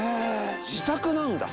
自宅なんだ。